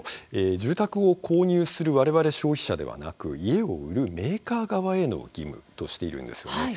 住宅を購入する我々、消費者ではなく家を売るメーカー側への義務としているんですよね。